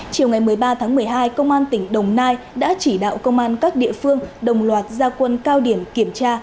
chiều ngày một mươi ba tháng một mươi hai công an tỉnh đồng nai đã chỉ đạo công an các địa phương đồng loạt gia quân cao điểm kiểm tra